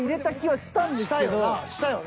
したよな？